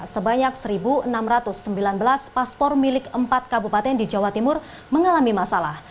sebanyak satu enam ratus sembilan belas paspor milik empat kabupaten di jawa timur mengalami masalah